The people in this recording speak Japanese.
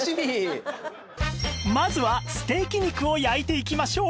まずはステーキ肉を焼いていきましょう